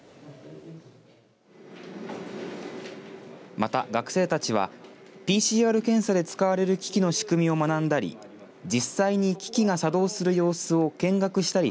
また、学生たちはＰＣＲ検査で使われる機器の仕組みを学んだり実際に機器が作動する様子を見学したり